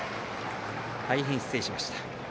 大変失礼いたしました。